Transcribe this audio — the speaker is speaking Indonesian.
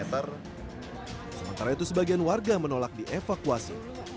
sementara itu sebagian warga menolak dievakuasi